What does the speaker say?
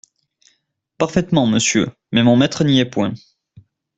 Parfaitement, monsieur, mais mon maître n’y est point.